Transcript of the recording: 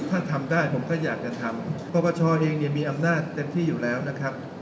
ถ้าทำได้ผมก็อยากจะทำปรปชเองเนี่ยมีอำนาจเต็มที่อยู่แล้วนะครับ